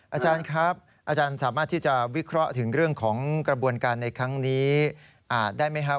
อาจารย์ครับอาจารย์สามารถที่จะวิเคราะห์ถึงเรื่องของกระบวนการในครั้งนี้ได้ไหมครับ